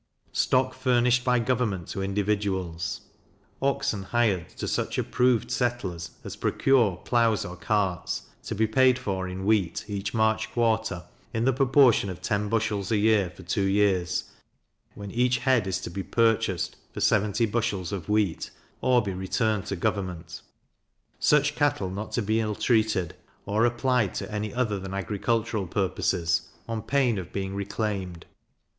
Stock furnished by Government to Individuals. Oxen hired to such approved settlers as procure ploughs or carts, to be paid for in wheat each March quarter, in the proportion of ten bushels a year for two years, when each head is to be purchased for 70 bushels of wheat, or be returned to government; such cattle not to be ill treated, or applied to any other than agricultural purposes, on pain of being reclaimed.